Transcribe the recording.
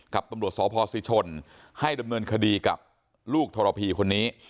กับตำรวจสพศิชนให้ดำเนินคดีกับลูกทรพีคนนี้